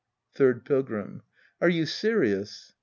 Third Pilgrim. Are you serious